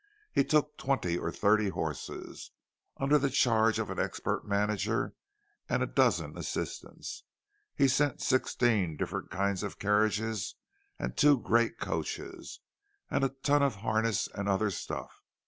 He took twenty or thirty horses, under the charge of an expert manager and a dozen assistants; he sent sixteen different kinds of carriages, and two great coaches, and a ton of harness and other stuff.